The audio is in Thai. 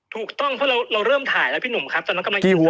ถูกต้องเพราะเราเริ่มถ่ายแล้วพี่หนุ่มครับตอนนั้นก็มาอินเสร็จภาพ